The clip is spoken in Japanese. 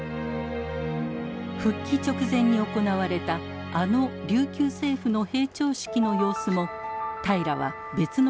復帰直前に行われたあの琉球政府の閉庁式の様子も平良は別のカメラで撮影していました。